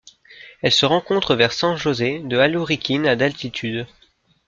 Elle se rencontre vers San José de Alluriquín à d'altitude.